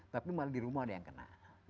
tapi malah di rumah ada yang kena